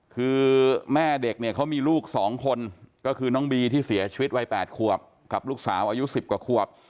คือแม่เด็กเนี่ยเขามีลูก๒คนก็คือน้องบีที่เสียชีวิตวัย๘ขวบกับลูกสาวอายุ๑๐กว่าขวบ